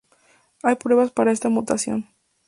Hay pruebas para esta mutación.